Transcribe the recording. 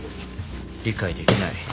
理解できない。